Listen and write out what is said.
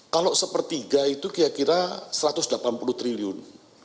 kalau sepertiga itu kira kira satu ratus delapan puluh triliun